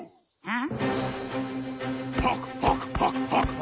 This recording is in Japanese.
ん！